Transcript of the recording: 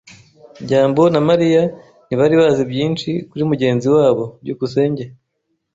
byambo na Mariya ntibari bazi byinshi kuri mugenzi wabo. byukusenge